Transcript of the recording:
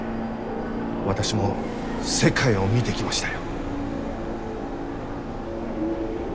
私も世界を見てきましたよ。